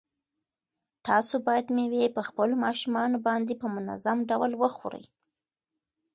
تاسو باید مېوې په خپلو ماشومانو باندې په منظم ډول وخورئ.